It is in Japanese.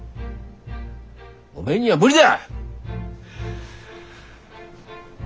おめえには無理だ！